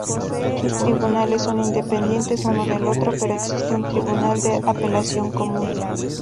Sus tribunales son independientes uno del otro, pero existe un tribunal de apelación común.